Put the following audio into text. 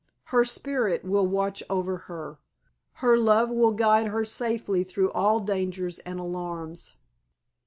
Her spirit will watch over her, her love will guide her safely through all dangers and alarms."